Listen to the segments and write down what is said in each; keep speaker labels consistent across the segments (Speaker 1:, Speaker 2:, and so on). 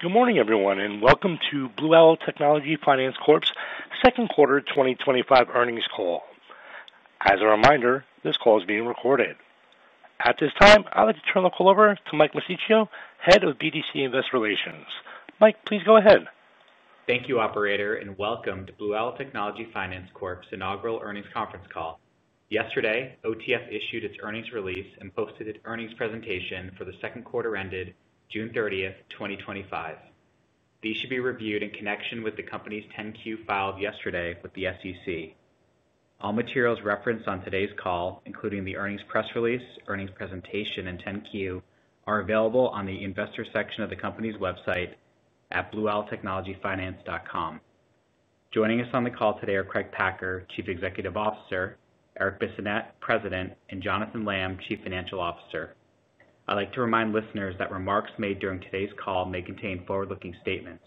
Speaker 1: Good morning, everyone, and welcome to Blue Owl Technology Finance Corp.'s Second Quarter 2025 Earnings Call. As a reminder, this call is being recorded. At this time, I'd like to turn the call over to Mike Mosticchio, Head of BDC Investor Relations. Mike, please go ahead.
Speaker 2: Thank you, operator, and welcome to Blue Owl Technology Finance Corp.'s Inaugural Earnings Conference Call. Yesterday, OTF issued its earnings release and posted an earnings presentation for the second quarter ended June 30th, 2025. These should be reviewed in connection with the company's 10-Q filed yesterday with the SEC. All materials referenced on today's call, including the earnings press release, earnings presentation, and 10-Q, are available on the Investor section of the company's website at blueowltechnologyfinance.com. Joining us on the call today are Craig Packer, Chief Executive Officer, Eric Bissonnette, President, and Jonathan Lamm, Chief Financial Officer. I'd like to remind listeners that remarks made during today's call may contain forward-looking statements,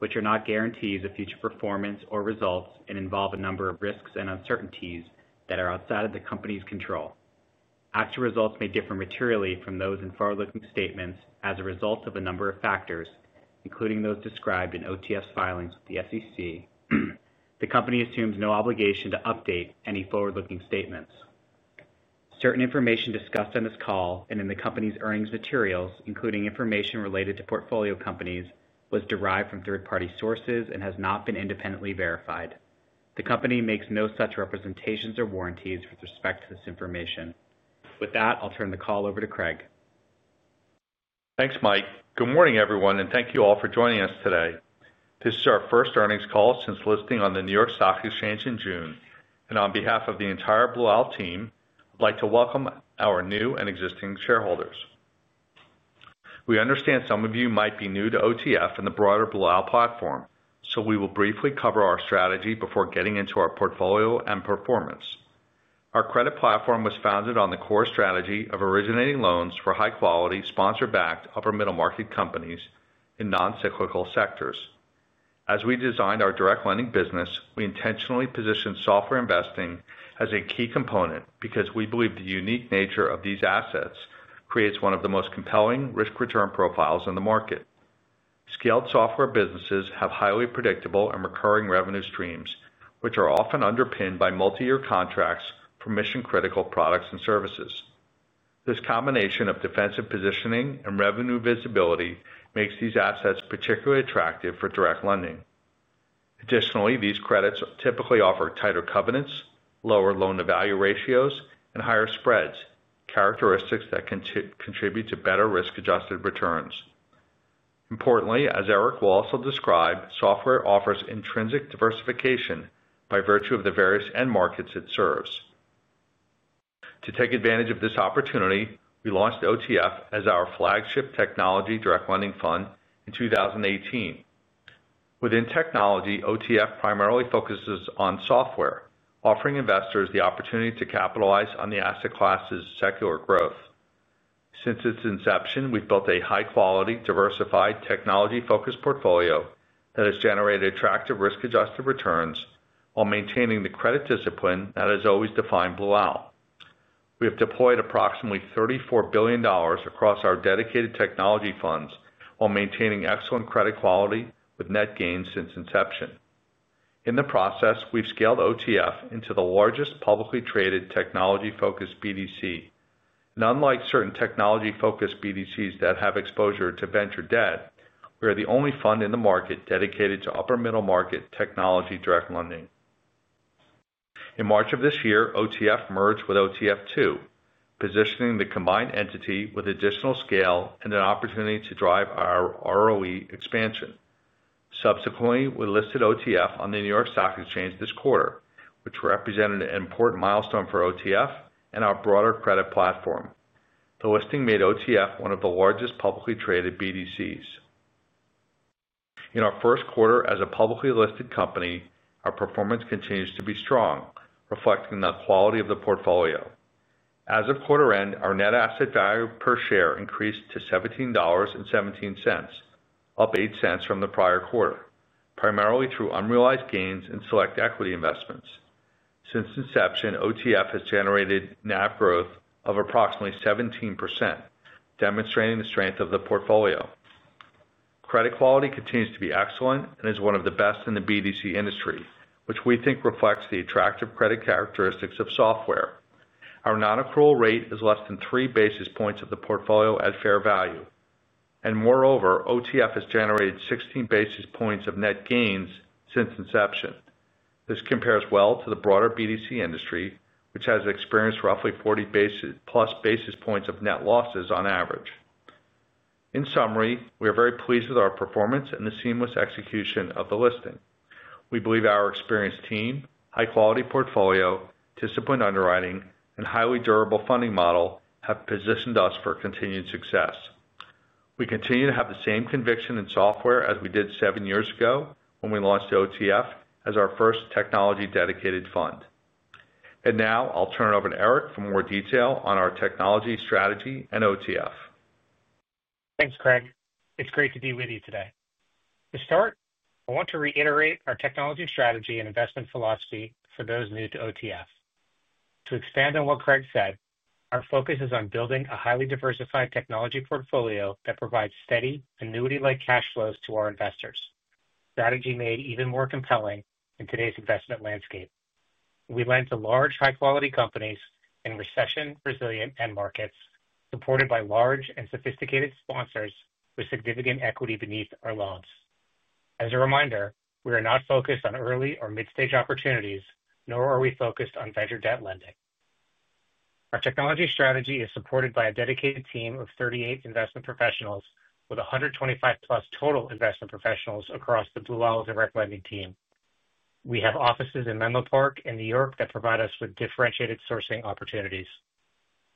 Speaker 2: which are not guarantees of future performance or results, and involve a number of risks and uncertainties that are outside of the company's control. Actual results may differ materially from those in forward-looking statements as a result of a number of factors, including those described in OTF's filings with the SEC. The company assumes no obligation to update any forward-looking statements. Certain information discussed on this call and in the company's earnings materials, including information related to portfolio companies, was derived from third-party sources and has not been independently verified. The company makes no such representations or warranties with respect to this information. With that, I'll turn the call over to Craig.
Speaker 3: Thanks, Mike. Good morning, everyone, and thank you all for joining us today. This is our first earnings call since listing on the New York Stock Exchange in June, and on behalf of the entire Blue Owl team, I'd like to welcome our new and existing shareholders. We understand some of you might be new to OTF and the broader Blue Owl platform, so we will briefly cover our strategy before getting into our portfolio and performance. Our credit platform was founded on the core strategy of originating loans for high-quality, sponsor-backed upper-middle market companies in non-cyclical sectors. As we designed our direct lending business, we intentionally positioned software investing as a key component because we believe the unique nature of these assets creates one of the most compelling risk-return profiles in the market. Scaled software businesses have highly predictable and recurring revenue streams, which are often underpinned by multi-year contracts for mission-critical products and services. This combination of defensive positioning and revenue visibility makes these assets particularly attractive for direct lending. Additionally, these credits typically offer tighter covenants, lower loan-to-value ratios, and higher spreads, characteristics that contribute to better risk-adjusted returns. Importantly, as Eric will also describe, software offers intrinsic diversification by virtue of the various end markets it serves. To take advantage of this opportunity, we launched OTF as our flagship technology direct lending fund in 2018. Within technology, OTF primarily focuses on software, offering investors the opportunity to capitalize on the asset class's secular growth. Since its inception, we've built a high-quality, diversified, technology-focused portfolio that has generated attractive risk-adjusted returns while maintaining the credit discipline that has always defined Blue Owl. We have deployed approximately $34 billion across our dedicated technology funds while maintaining excellent credit quality with net gains since inception. In the process, we've scaled OTF into the largest publicly traded technology-focused BDC. Unlike certain technology-focused BDCs that have exposure to venture debt, we are the only fund in the market dedicated to upper-middle market technology direct lending. In March of this year, OTF merged with OTF2, positioning the combined entity with additional scale and an opportunity to drive our ROE expansion. Subsequently, we listed OTF on the New York Stock Exchange this quarter, which represented an important milestone for OTF and our broader credit platform. The listing made OTF one of the largest publicly traded BDCs. In our first quarter as a publicly listed company, our performance continues to be strong, reflecting the quality of the portfolio. As of quarter end, our net asset value per share increased to $17.17, up $0.08 from the prior quarter, primarily through unrealized gains in select equity investments. Since inception, OTF has generated net growth of approximately 17%, demonstrating the strength of the portfolio. Credit quality continues to be excellent and is one of the best in the BDC industry, which we think reflects the attractive credit characteristics of software. Our non-accrual rate is less than 3 basis points of the portfolio at fair value. Moreover, OTF has generated 16 basis points of net gains since inception. This compares well to the broader BDC industry, which has experienced roughly 40+ basis points of net losses on average. In summary, we are very pleased with our performance and the seamless execution of the listing. We believe our experienced team, high-quality portfolio, disciplined underwriting, and highly durable funding model have positioned us for continued success. We continue to have the same conviction in software as we did seven years ago when we launched OTF as our first technology-dedicated fund. Now, I'll turn it over to Eric for more detail on our technology strategy and OTF.
Speaker 4: Thanks, Craig. It's great to be with you today. To start, I want to reiterate our technology strategy and investment philosophy for those new to OTF. To expand on what Craig said, our focus is on building a highly diversified technology portfolio that provides steady, annuity-like cash flows to our investors, a strategy made even more compelling in today's investment landscape. We lend to large, high-quality companies in recession-resilient end markets, supported by large and sophisticated sponsors with significant equity beneath our loans. As a reminder, we are not focused on early or mid-stage opportunities, nor are we focused on venture debt lending. Our technology strategy is supported by a dedicated team of 38 investment professionals, with 125+ total investment professionals across Blue Owl's and recommending team. We have offices in Menlo Park and New York that provide us with differentiated sourcing opportunities.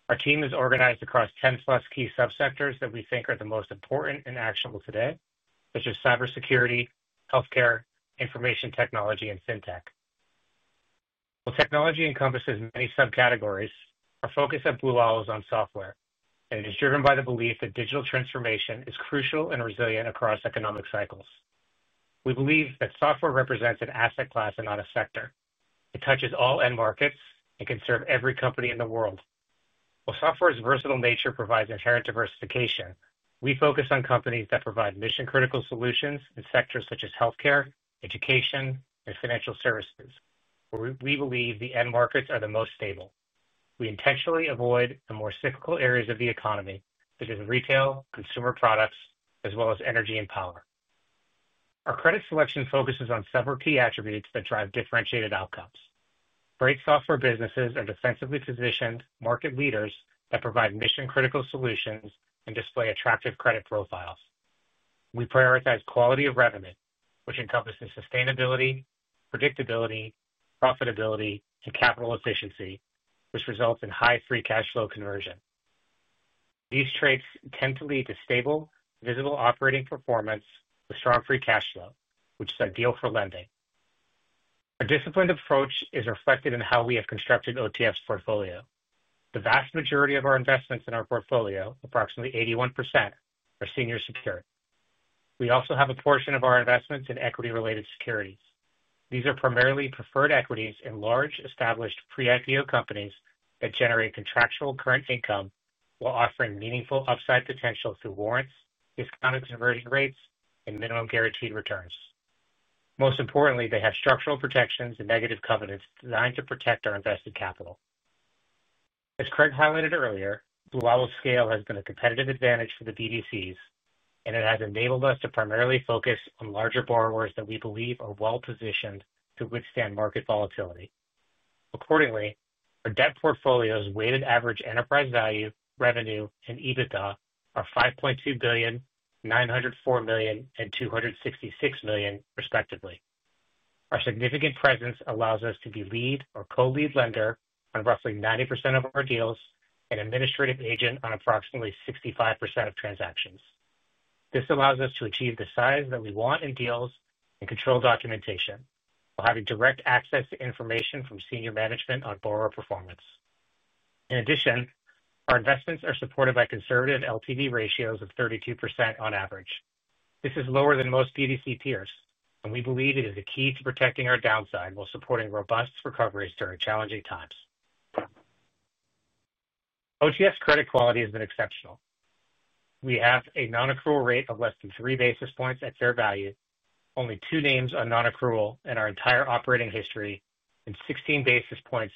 Speaker 4: Our team is organized across 10+ key sub-sectors that we think are the most important and actionable today, such as cybersecurity, healthcare, information technology, and fintech. While technology encompasses many subcategories, our focus at Blue Owl is on software, and it is driven by the belief that digital transformation is crucial and resilient across economic cycles. We believe that software represents an asset class and not a sector. It touches all end markets and can serve every company in the world. While software's versatile nature provides inherent diversification, we focus on companies that provide mission-critical solutions in sectors such as healthcare, education, and financial services, where we believe the end markets are the most stable. We intentionally avoid the more cyclical areas of the economy, such as retail, consumer products, as well as energy and power. Our credit selection focuses on several key attributes that drive differentiated outcomes: great software businesses and defensively positioned market leaders that provide mission-critical solutions and display attractive credit profiles. We prioritize quality of revenue, which encompasses sustainability, predictability, profitability, and capital efficiency, which results in high free cash flow conversion. These traits tend to lead to stable, visible operating performance with strong free cash flow, which is ideal for lending. A disciplined approach is reflected in how we have constructed OTF's portfolio. The vast majority of our investments in our portfolio, approximately 81%, are senior securities. We also have a portion of our investments in equity-related securities. These are primarily preferred equities in large, established pre-IPO companies that generate contractual current income while offering meaningful upside potential through warrants, discounted conversion rates, and minimum guaranteed returns. Most importantly, they have structural protections and negative covenants designed to protect our invested capital. As Craig highlighted earlier, Blue Owl's scale has been a competitive advantage for the BDCs, and it has enabled us to primarily focus on larger borrowers that we believe are well-positioned to withstand market volatility. Accordingly, our debt portfolio's weighted average enterprise value, revenue, and EBITDA are $5.2 billion, $904 million, and $266 million, respectively. Our significant presence allows us to be lead or co-lead lender on roughly 90% of our deals and administrative agent on approximately 65% of transactions. This allows us to achieve the size that we want in deals and control documentation while having direct access to information from senior management on borrower performance. In addition, our investments are supported by conservative LTV ratios of 32% on average. This is lower than most BDC tiers, and we believe it is the key to protecting our downside while supporting robust recoveries during challenging times. OTF's credit quality has been exceptional. We have a non-accrual rate of less than 3 basis points at fair value, only two names on non-accrual in our entire operating history, and 16 basis points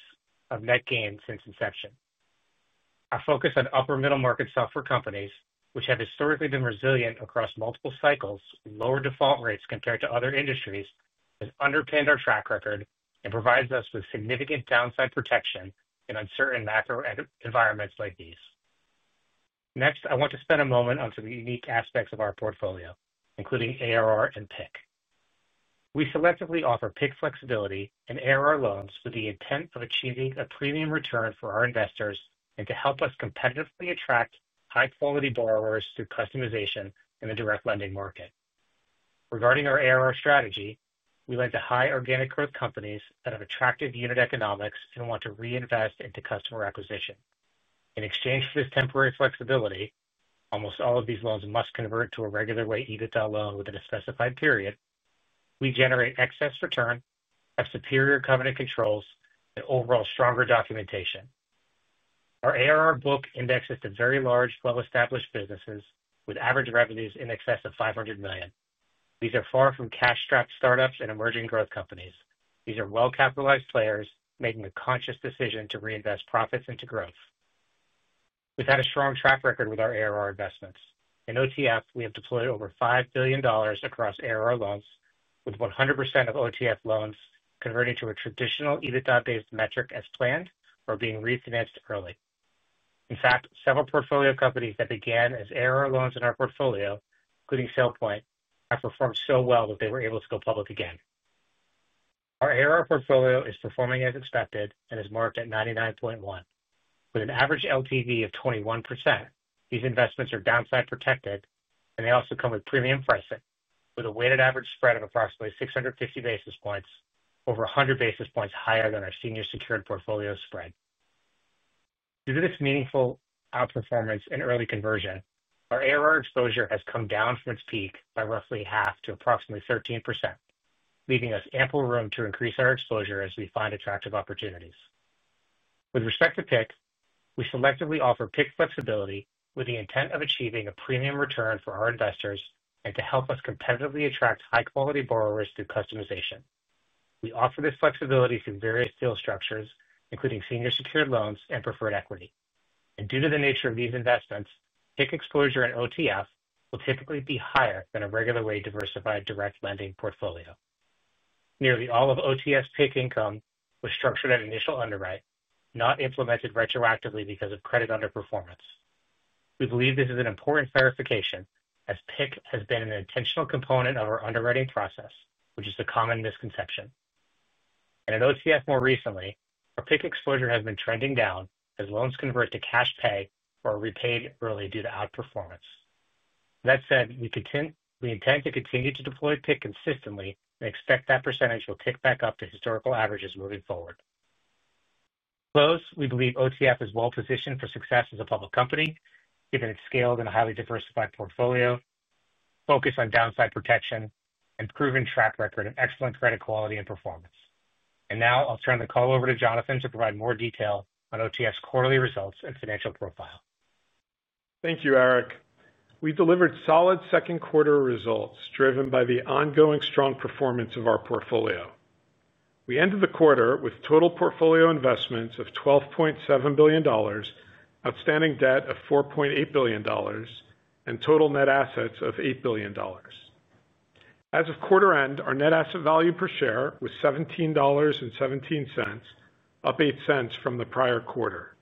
Speaker 4: of net gains since inception. Our focus on upper-middle market software companies, which have historically been resilient across multiple cycles and lower default rates compared to other industries, has underpinned our track record and provides us with significant downside protection in uncertain macro environments like these. Next, I want to spend a moment on some unique aspects of our portfolio, including ARR and PIC. We selectively offer PIC flexibility and ARR loans with the intent of achieving a premium return for our investors and to help us competitively attract high-quality borrowers through customization in the direct lending market. Regarding our ARR strategy, we lend to high organic growth companies that have attractive unit economics and want to reinvest into customer acquisition. In exchange for this temporary flexibility, almost all of these loans must convert to a regular rate EBITDA loan within a specified period. We generate excess return, have superior covenant controls, and overall stronger documentation. Our ARR book indexes to very large, well-established businesses with average revenues in excess of $500 million. These are far from cash-strapped startups and emerging growth companies. These are well-capitalized players, making a conscious decision to reinvest profits into growth. We've had a strong track record with our ARR investments. In OTF, we have deployed over $5 billion across ARR loans, with 100% of OTF loans converting to a traditional EBITDA-based metric as planned or being refinanced early. In fact, several portfolio companies that began as ARR loans in our portfolio, including SailPoint, have performed so well that they were able to go public again. Our ARR portfolio is performing as expected and is marked at 99.1. With an average LTV of 21%, these investments are downside protected, and they also come with premium pricing, with a weighted average spread of approximately 650 basis points, over 100 basis points higher than our senior secured portfolio spread. Due to this meaningful outperformance and early conversion, our ARR exposure has come down from its peak by roughly half to approximately 13%, leaving us ample room to increase our exposure as we find attractive opportunities. With respect to PIC, we selectively offer PIC flexibility with the intent of achieving a premium return for our investors and to help us competitively attract high-quality borrowers through customization. We offer this flexibility through various deal structures, including senior secured loans and preferred equity. Due to the nature of these investments, PIC exposure in OTF will typically be higher than a regular way diversified direct lending portfolio. Nearly all of OTF's PIC income was structured at initial underwrite, not implemented retroactively because of credit underperformance. We believe this is an important clarification as PIC has been an intentional component of our underwriting process, which is the common misconception. In OTF more recently, our PIC exposure has been trending down as loans convert to cash pay or are repaid early due to outperformance. That said, we intend to continue to deploy PIC consistently and expect that percentage will pick back up to historical averages moving forward. We believe OTF is well-positioned for success as a public company, given its scaled and highly diversified portfolio, focused on downside protection, and proven track record of excellent credit quality and performance. I'll turn the call over to Jonathan to provide more detail on OTF's quarterly results and financial profile.
Speaker 5: Thank you, Eric. We delivered solid second quarter results driven by the ongoing strong performance of our portfolio. We ended the quarter with total portfolio investments of $12.7 billion, outstanding debt of $4.8 billion, and total net assets of $8 billion. As of quarter end, our net asset value per share was $17.17, up $0.08 from the prior quarter.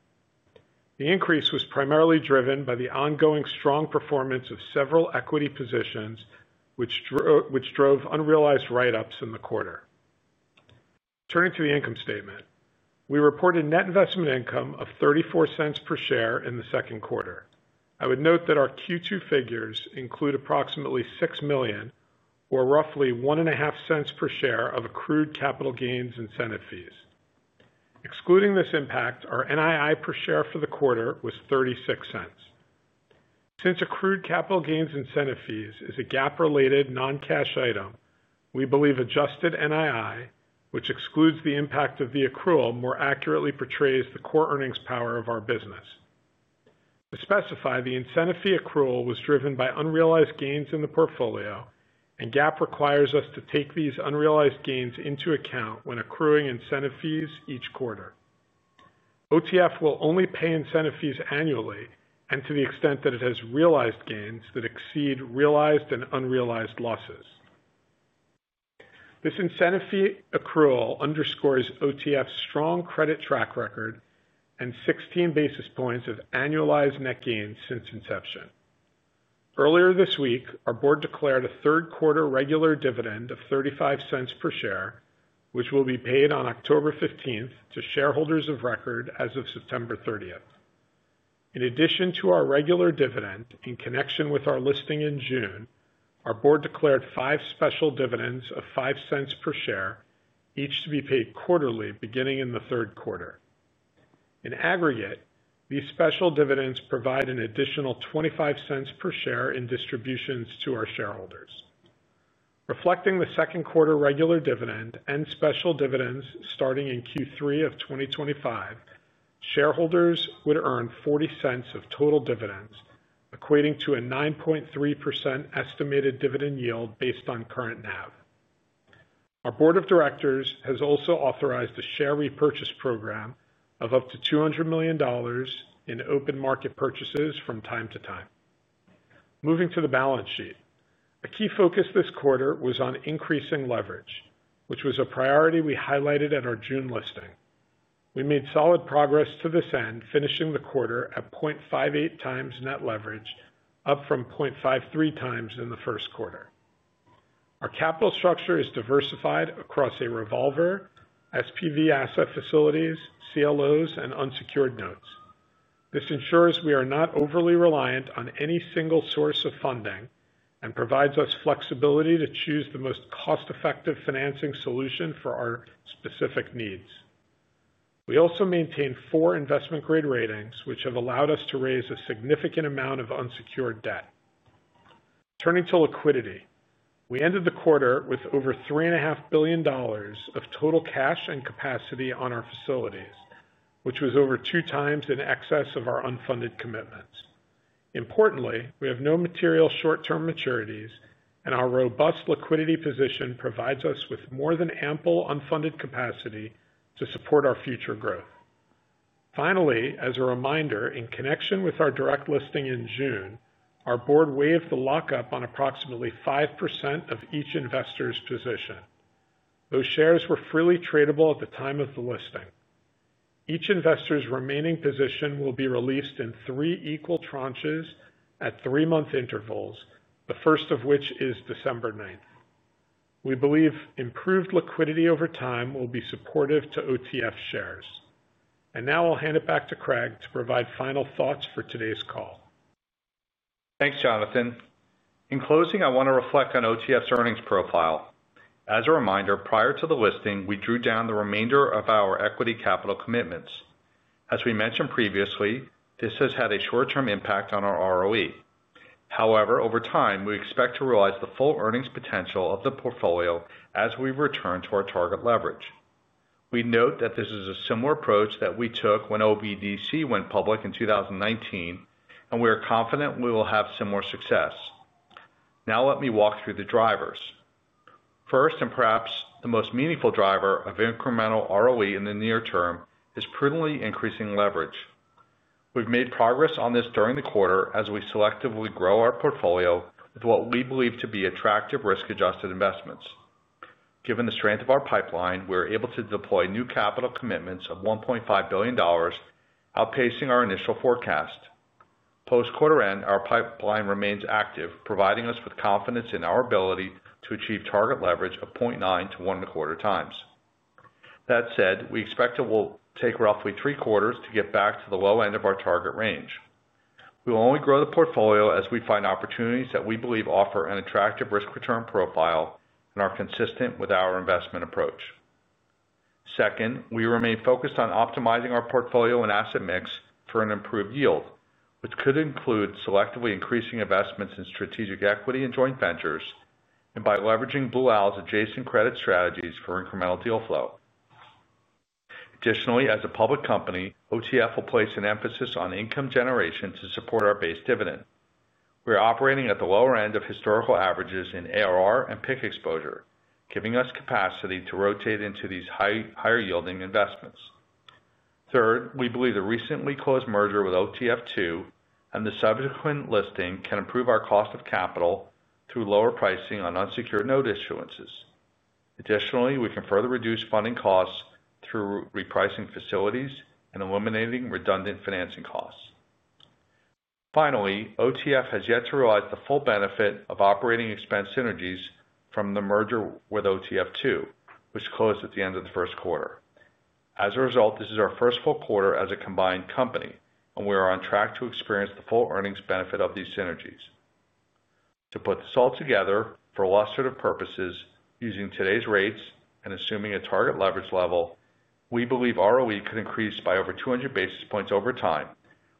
Speaker 5: The increase was primarily driven by the ongoing strong performance of several equity positions, which drove unrealized write-ups in the quarter. Turning to the income statement, we reported net investment income of $0.34 per share in the second quarter. I would note that our Q2 figures include approximately $6 million, or roughly $0.015 per share of accrued capital gains incentive fees. Excluding this impact, our NII per share for the quarter was $0.36. Since accrued capital gains incentive fees is a GAAP-related non-cash item, we believe adjusted NII, which excludes the impact of the accrual, more accurately portrays the core earnings power of our business. To specify, the incentive fee accrual was driven by unrealized gains in the portfolio, and GAAP requires us to take these unrealized gains into account when accruing incentive fees each quarter. OTF will only pay incentive fees annually and to the extent that it has realized gains that exceed realized and unrealized losses. This incentive fee accrual underscores OTF's strong credit track record and 16 basis points of annualized net gains since inception. Earlier this week, our board declared a third quarter regular dividend of $0.35 per share, which will be paid on October 15th to shareholders of record as of September 30th. In addition to our regular dividend, in connection with our listing in June, our board declared five special dividends of $0.05 per share, each to be paid quarterly beginning in the third quarter. In aggregate, these special dividends provide an additional $0.25 per share in distributions to our shareholders. Reflecting the second quarter regular dividend and special dividends starting in Q3 of 2025, shareholders would earn $0.40 of total dividends, equating to a 9.3% estimated dividend yield based on current NAV. Our board of directors has also authorized a share repurchase program of up to $200 million in open market purchases from time to time. Moving to the balance sheet, a key focus this quarter was on increasing leverage, which was a priority we highlighted at our June listing. We made solid progress to this end, finishing the quarter at 0.58x net leverage, up from 0.53x in the first quarter. Our capital structure is diversified across a revolver, SPV asset facilities, CLOs, and unsecured notes. This ensures we are not overly reliant on any single source of funding and provides us flexibility to choose the most cost-effective financing solution for our specific needs. We also maintain four investment-grade ratings, which have allowed us to raise a significant amount of unsecured debt. Turning to liquidity, we ended the quarter with over $3.5 billion of total cash and capacity on our facilities, which was over 2x in excess of our unfunded commitments. Importantly, we have no material short-term maturities, and our robust liquidity position provides us with more than ample unfunded capacity to support our future growth. Finally, as a reminder, in connection with our direct listing in June, our Board waived the lockup on approximately 5% of each investor's position. Those shares were freely tradable at the time of the listing. Each investor's remaining position will be released in three equal tranches at three-month intervals, the first of which is December 9th. We believe improved liquidity over time will be supportive to OTF shares. Now I'll hand it back to Craig to provide final thoughts for today's call.
Speaker 3: Thanks, Jonathan. In closing, I want to reflect on OTF's earnings profile. As a reminder, prior to the listing, we drew down the remainder of our equity capital commitments. As we mentioned previously, this has had a short-term impact on our ROE. However, over time, we expect to realize the full earnings potential of the portfolio as we return to our target leverage. We note that this is a similar approach that we took when OBDC went public in 2019, and we are confident we will have similar success. Now let me walk through the drivers. First, and perhaps the most meaningful driver of incremental ROE in the near term, is prudently increasing leverage. We've made progress on this during the quarter as we selectively grow our portfolio with what we believe to be attractive risk-adjusted investments. Given the strength of our pipeline, we are able to deploy new capital commitments of $1.5 billion, outpacing our initial forecast. Post-quarter end, our pipeline remains active, providing us with confidence in our ability to achieve target leverage of 0.9x-1.25x. That said, we expect it will take roughly three quarters to get back to the low end of our target range. We will only grow the portfolio as we find opportunities that we believe offer an attractive risk-return profile and are consistent with our investment approach. Second, we remain focused on optimizing our portfolio and asset mix for an improved yield, which could include selectively increasing investments in strategic equity and joint ventures, and by leveraging Blue Owl's adjacent credit strategies for incremental deal flow. Additionally, as a public company, OTF will place an emphasis on income generation to support our base dividend. We are operating at the lower end of historical averages in ARR and PIC exposure, giving us capacity to rotate into these higher yielding investments. Third, we believe the recently closed merger with OTF2 and the subsequent listing can improve our cost of capital through lower pricing on unsecured note issuances. Additionally, we can further reduce funding costs through repricing facilities and eliminating redundant financing costs. Finally, OTF has yet to realize the full benefit of operating expense synergies from the merger with OTF2, which closed at the end of the first quarter. As a result, this is our first full quarter as a combined company, and we are on track to experience the full earnings benefit of these synergies. To put this all together, for illustrative purposes, using today's rates and assuming a target leverage level, we believe ROE could increase by over 200 basis points over time,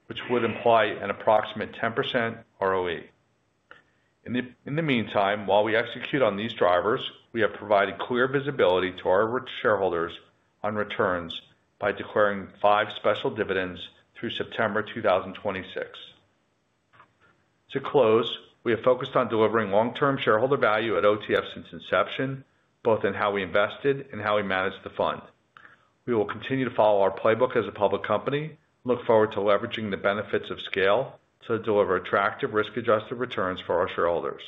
Speaker 3: which would imply an approximate 10% ROE. In the meantime, while we execute on these drivers, we have provided clear visibility to our shareholders on returns by declaring five special dividends through September 2026. To close, we have focused on delivering long-term shareholder value at OTF since inception, both in how we invested and how we managed the fund. We will continue to follow our playbook as a public company and look forward to leveraging the benefits of scale to deliver attractive risk-adjusted returns for our shareholders.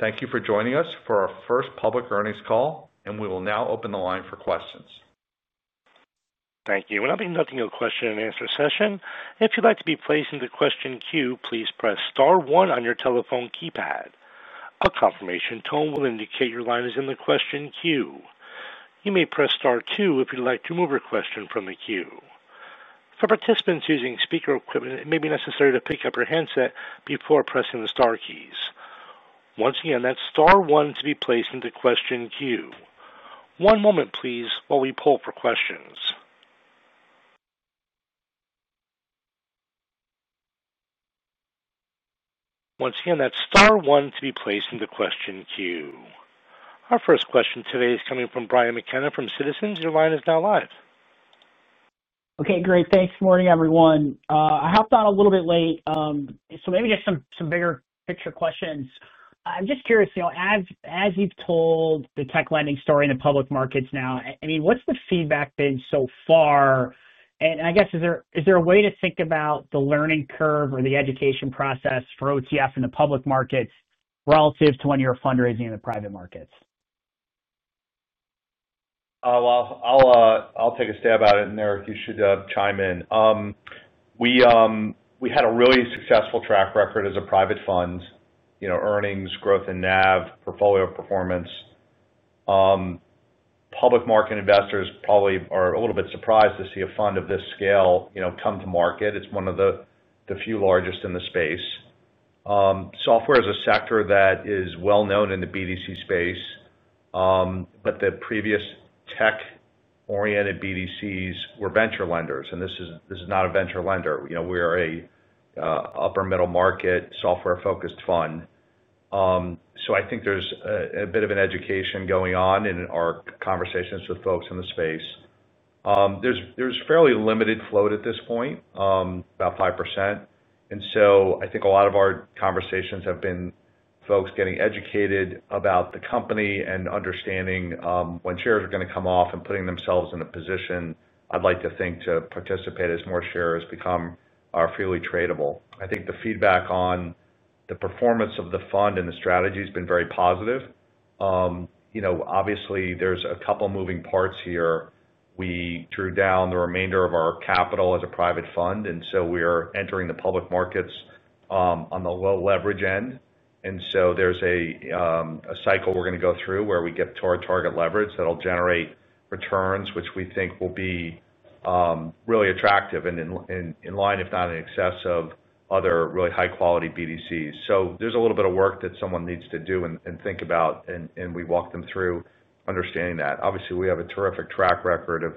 Speaker 3: Thank you for joining us for our first public earnings call, and we will now open the line for questions.
Speaker 1: Thank you. I'll be conducting a question-and-answer session. If you'd like to be placed in the question queue, please press Star, one on your telephone keypad. A confirmation tone will indicate your line is in the question queue. You may press Star, two if you'd like to remove your question from the queue. For participants using speaker equipment, it may be necessary to pick up your headset before pressing the star keys. Once again, that's Star, one to be placed in the question queue. One moment, please, while we poll for questions. Once again, that's Star, one to be placed in the question queue. Our first question today is coming from Brian McKenna from Citizens, and Brian is now live.
Speaker 6: Okay, great. Thanks. Morning, everyone. I hopped on a little bit late, so maybe just some bigger picture questions. I'm just curious, you know, as you've told the tech lending story in the public markets now, what's the feedback been so far? I guess, is there a way to think about the learning curve or the education process for OTF in the public markets relative to when you're fundraising in the private markets?
Speaker 3: I'll take a stab at it, and Eric, if you should chime in. We had a really successful track record as a private fund, you know, earnings, growth in NAV, portfolio performance. Public market investors probably are a little bit surprised to see a fund of this scale, you know, come to market. It's one of the few largest in the space. Software is a sector that is well known in the BDC space, but the previous tech-oriented BDCs were venture lenders, and this is not a venture lender. You know, we are an upper-middle market software-focused fund. I think there's a bit of an education going on in our conversations with folks in the space. There's fairly limited float at this point, about 5%. I think a lot of our conversations have been folks getting educated about the company and understanding when shares are going to come off and putting themselves in a position, I'd like to think, to participate as more shares become freely tradable. I think the feedback on the performance of the fund and the strategy has been very positive. Obviously, there's a couple of moving parts here. We drew down the remainder of our capital as a private fund, and so we are entering the public markets on the low leverage end. There's a cycle we're going to go through where we get to our target leverage that will generate returns, which we think will be really attractive and in line, if not in excess, of other really high-quality BDCs. There's a little bit of work that someone needs to do and think about, and we walk them through understanding that. Obviously, we have a terrific track record of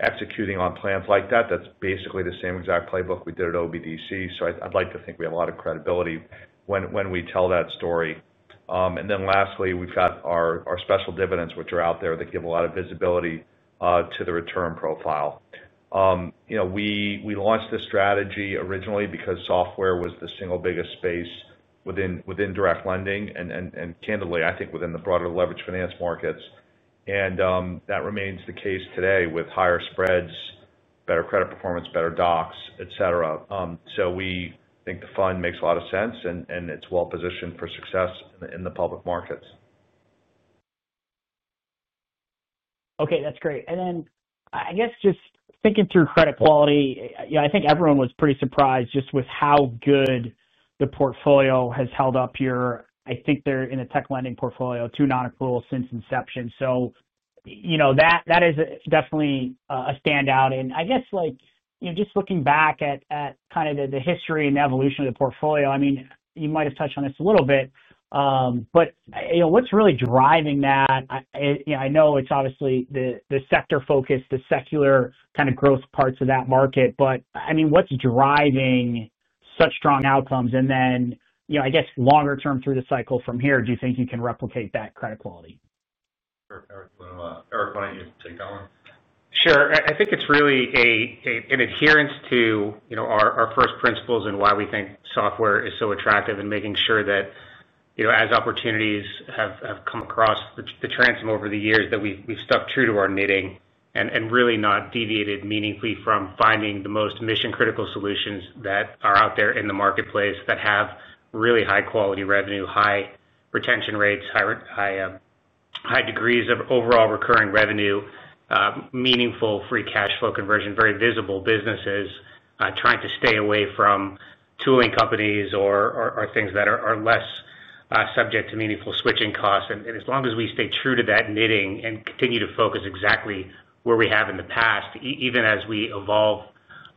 Speaker 3: executing on plans like that. That's basically the same exact playbook we did at OBDC. I'd like to think we have a lot of credibility when we tell that story. Lastly, we've got our special dividends, which are out there that give a lot of visibility to the return profile. You know, we launched this strategy originally because software was the single biggest space within direct lending and candidly, I think, within the broader leverage finance markets. That remains the case today with higher spreads, better credit performance, better docs, etc. We think the fund makes a lot of sense, and it's well-positioned for success in the public markets.
Speaker 6: Okay, that's great. I guess just thinking through credit quality, I think everyone was pretty surprised just with how good the portfolio has held up here. I think there in a tech lending portfolio, two non-accruals since inception. That is definitely a standout. I guess, like, just looking back at kind of the history and the evolution of the portfolio, I mean, you might have touched on this a little bit, but what's really driving that? I know it's obviously the sector focus, the secular kind of growth parts of that market, but what's driving such strong outcomes? I guess longer term through the cycle from here, do you think you can replicate that credit quality?
Speaker 3: Sure, Eric, why don't you take that one?
Speaker 4: Sure. I think it's really an adherence to our first principles and why we think software is so attractive and making sure that as opportunities have come across the transom over the years, that we've stuck true to our knitting and really not deviated meaningfully from finding the most mission-critical solutions that are out there in the marketplace that have really high quality revenue, high retention rates, high degrees of overall recurring revenue, meaningful free cash flow conversion, very visible businesses trying to stay away from tooling companies or things that are less subject to meaningful switching costs. As long as we stay true to that knitting and continue to focus exactly where we have in the past, even as we evolve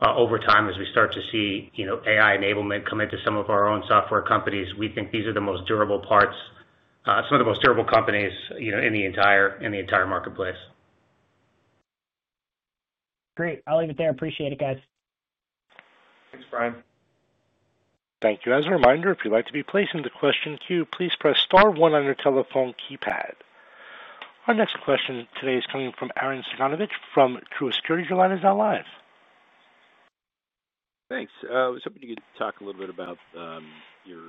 Speaker 4: over time, as we start to see AI enablement come into some of our own software companies, we think these are the most durable parts, some of the most durable companies in the entire marketplace.
Speaker 6: Great. I'll leave it there. Appreciate it, guys.
Speaker 4: Thanks, Brian.
Speaker 1: Thank you. As a reminder, if you'd like to be placed in the question queue, please press Star, one on your telephone keypad. Our next question today is coming from Arren Cyganovich from Truist Securities. Your line is now live.
Speaker 7: Thanks. I was hoping you could talk a little bit about your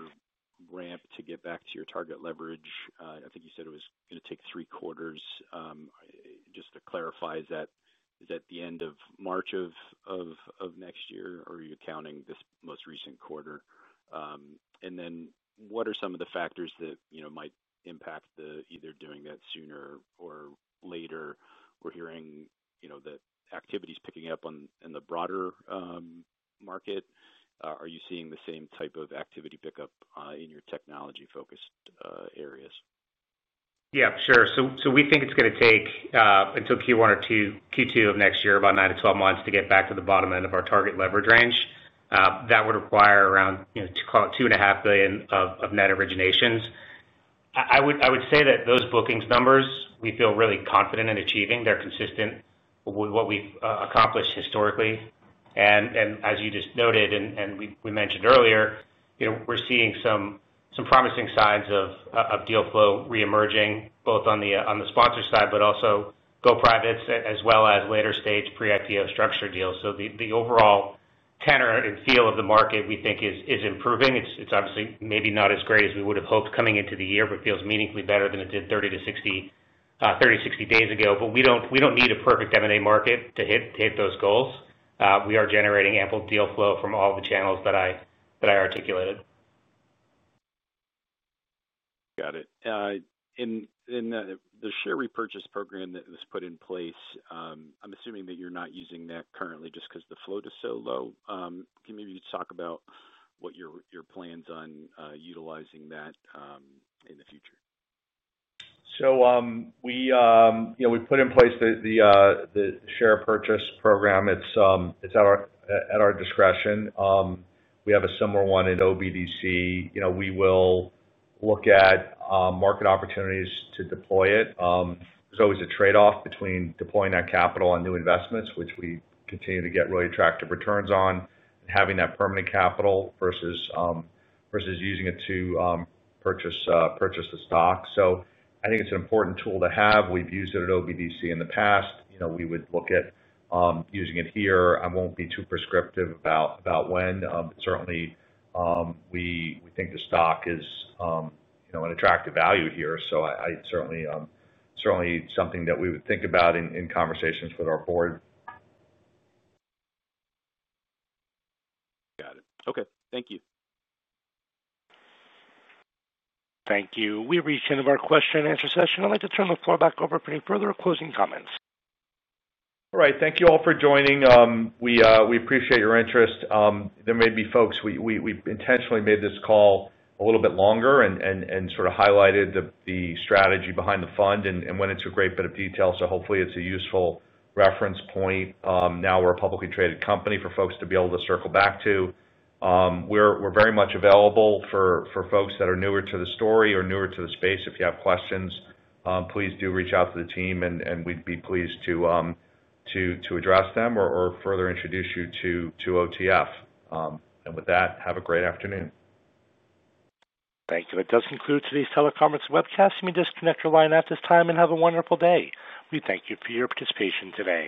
Speaker 7: ramp to get back to your target leverage. I think you said it was going to take three quarters. Just to clarify, is that the end of March of next year, or are you counting this most recent quarter? What are some of the factors that might impact either doing that sooner or later? We're hearing that activity is picking up in the broader market. Are you seeing the same type of activity pickup in your technology-focused areas?
Speaker 4: Yeah, sure. We think it's going to take until Q1 or Q2 of next year, about nine to twelve months, to get back to the bottom end of our target leverage range. That would require around, you know, call it $2.5 billion of net originations. I would say that those bookings numbers we feel really confident in achieving. They're consistent with what we've accomplished historically. As you just noted and we mentioned earlier, we're seeing some promising signs of deal flow reemerging, both on the sponsor side, but also go privates as well as later stage pre-IPO structure deals. The overall tenor and feel of the market we think is improving. It's obviously maybe not as great as we would have hoped coming into the year, but feels meaningfully better than it did 30-60 days ago. We don't need a perfect M&A market to hit those goals. We are generating ample deal flow from all the channels that I articulated.
Speaker 7: Got it. The share repurchase program that was put in place, I'm assuming that you're not using that currently just because the float is so low. Can you maybe talk about what your plans are on utilizing that in the future?
Speaker 3: We put in place the share purchase program. It's at our discretion. We have a similar one at OBDC. We will look at market opportunities to deploy it. There's always a trade-off between deploying that capital on new investments, which we continue to get really attractive returns on, and having that permanent capital versus using it to purchase the stock. I think it's an important tool to have. We've used it at OBDC in the past. We would look at using it here. I won't be too prescriptive about when, but certainly we think the stock is an attractive value here. It's certainly something that we would think about in conversations with our board.
Speaker 7: Got it. Okay. Thank you.
Speaker 1: Thank you. We reached the end of our question-and-answer session. I'd like to turn the floor back over for any further closing comments.
Speaker 3: All right. Thank you all for joining. We appreciate your interest. There may be folks we intentionally made this call a little bit longer and highlighted the strategy behind the fund and went into a great bit of detail. Hopefully, it's a useful reference point. Now we're a publicly traded company for folks to be able to circle back to. We're very much available for folks that are newer to the story or newer to the space. If you have questions, please do reach out to the team, and we'd be pleased to address them or further introduce you to OTF. With that, have a great afternoon.
Speaker 1: Thank you. That does conclude today's teleconference webcast. You may disconnect your line at this time and have a wonderful day. We thank you for your participation today.